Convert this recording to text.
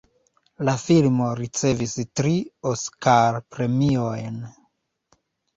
La filmo ricevis tri Oskar-premiojn.